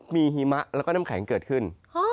มีหิมะแล้วก็น้ำแข็งเกิดขึ้น